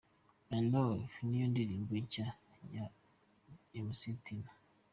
My Lover niyo ndirimbo nshya ya Mc Tino.